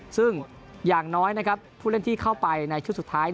ซึ่งอย่างน้อยนะครับผู้เล่นที่เข้าไปในชุดสุดท้าย